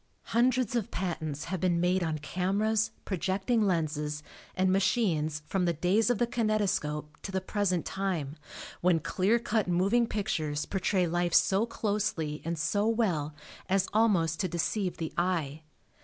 Hundreds of patents have been made on cameras, projecting lenses and machines from the days of the kinetoscope to the present time when clear cut moving pictures portray life so closely and so well as almost to deceive the eye.